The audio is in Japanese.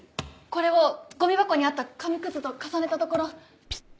これをゴミ箱にあった紙クズと重ねたところ。